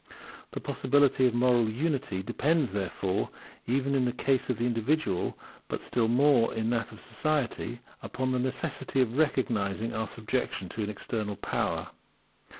The possibility of moral unity depends, therefore, even in the case of the individual, but still more in that of society, upon the necessity of recognizing our subjection to an external power.